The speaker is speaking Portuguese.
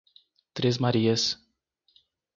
Três Marias